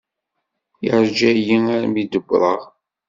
Yeṛǧa-iyi armi i d-wwḍeɣ.